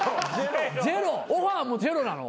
オファーもジェロなの？